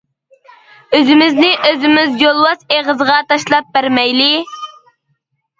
ئۆزىمىزنى ئۆزىمىز يولۋاس ئېغىزىغا تاشلاپ بەرمەيلى!